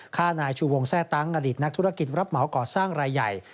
ฆ่านายชูวงแทร่ตั้งอดีตนักธุรกิจรับเหมาก่อสร้างรายใหญ่